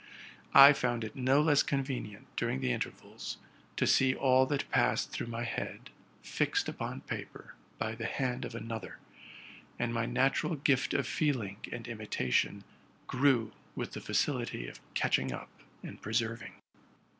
I found it no less convenient, during the intervals, to see all that passed through my head fixed upon paper by the hand of another; and my natural gift of feeling and imitation grew with the facility of catching up and preserving.